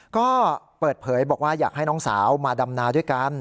ก็เปิดเผยบอกว่าอยากให้น้องสาวมาดำนาด้วยกัน